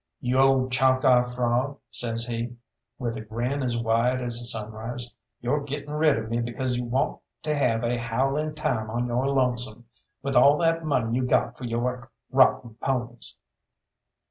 "You old Chalkeye fraud," says he, with a grin as wide as the sunrise, "you're getting rid of me because you want to have a howling time on your lonesome, with all that money you got for your rotten ponies."